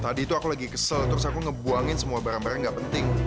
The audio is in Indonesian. tadi itu aku lagi kesel terus aku ngebuangin semua barang barang yang gak penting